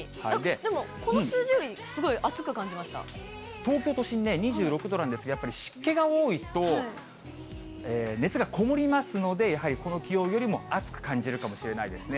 でもこの数字よりす東京都心ね、２６度なんですが、やっぱり湿気が多いと、熱がこもりますので、やはりこの気温よりも暑く感じるかもしれないですね。